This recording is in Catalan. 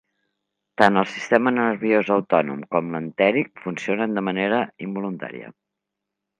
Tant el sistema nerviós autònom com l'entèric funcionen de manera involuntària.